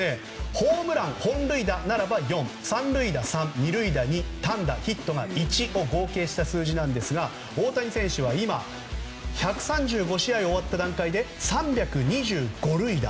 ホームラン本塁打ならば４三塁打３、二塁打２単打、ヒットが１を合計した数字なんですが大谷選手は今、１３５試合終わった段階で３２５塁打。